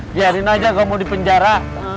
biarin aja kamu di penjara